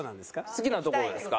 好きなところですか？